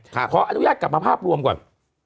ขออนุญาตกลับมาภาพรวมก่อน